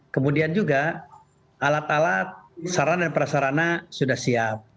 kemudian juga alat alat sarana dan prasarana sudah siap